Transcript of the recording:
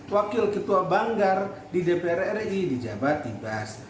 wakil ketua banggar di dpr ri di jabat ibas